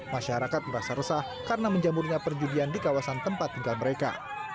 masyarakat merasa resah karena menjamurnya perjudian di kawasan tempat tinggal mereka